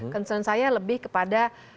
concern saya lebih kepada